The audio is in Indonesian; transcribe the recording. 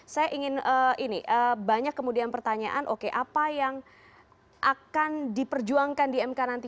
saya ingin ini banyak kemudian pertanyaan oke apa yang akan diperjuangkan di mk nanti